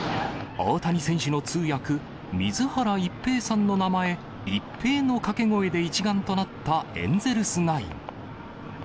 大谷選手の通訳、水原一平さんの名前、イッペイの掛け声で一丸となったエンゼルスナイン。